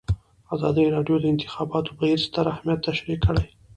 ازادي راډیو د د انتخاباتو بهیر ستر اهميت تشریح کړی.